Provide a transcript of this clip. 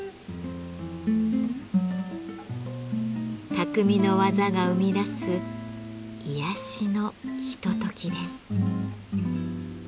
匠の技が生み出す癒やしのひとときです。